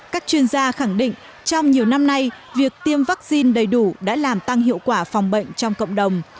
các chuyên gia khẳng định trong nhiều năm nay việc tiêm vaccine đầy đủ đã làm tăng hiệu quả phòng bệnh trong cộng đồng